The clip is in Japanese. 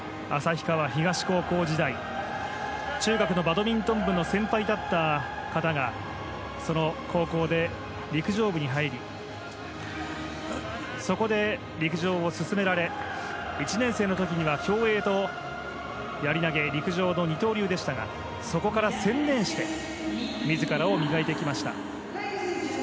高校時代中学のバドミントン部の先輩だった方が高校で陸上部に入りそこで陸上を進められ１年生の時には競泳とやり投げ、陸上の二刀流でしたがそこから専念して自らを磨いてきました。